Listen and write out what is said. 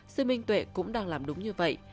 sư minh tuệ cũng đang làm đúng như vậy